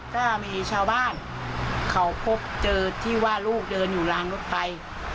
ก็มีชาวบ้านเขาพบเจอที่ว่าลูกเดินอยู่ลางรถไฟ